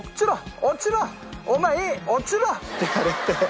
「お前いい。落ちろ！」って言われて。